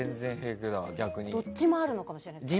どっちもあるのかもしれないですね。